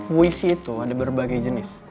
puisi itu ada berbagai jenis